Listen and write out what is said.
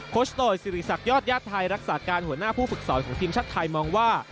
โคชโตย์ซิริสักยอดยาฆัยรักษาการหัวหน้าผู้ฝึกศรของทีมชาติไทยมองว่า